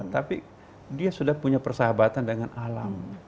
tapi dia sudah punya persahabatan dengan alam